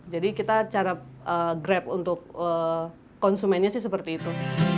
jadi kita cara grab untuk konsumennya sih seperti itu